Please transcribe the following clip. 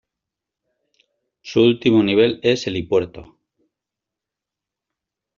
Su último nivel es helipuerto.